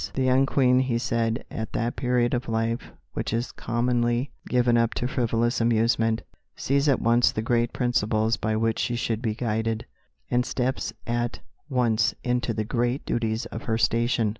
"The young Queen," he said, "at that period of life which is commonly given up to frivolous amusement, sees at once the great principles by which she should be guided, and steps at once into the great duties of her station."